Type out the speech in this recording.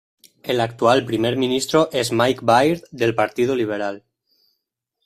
El actual Primer Ministro es Mike Baird del Partido Liberal.